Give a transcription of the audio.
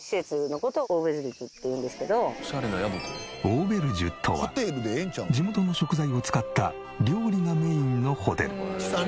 オーベルジュとは地元の食材を使った料理がメインのホテル。